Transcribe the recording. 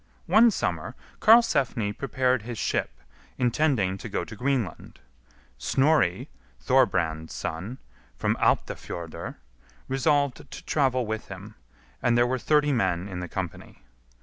One summer Karlsefni prepared his ship, intending to go to Greenland. Snorri, Thorbrand's son, from Alptafjordr, resolved to travel with him, and there were thirty men in the company.